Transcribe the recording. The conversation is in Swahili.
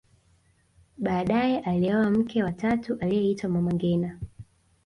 baadaye alioa mke wa tatu aliyeitwa mama ngina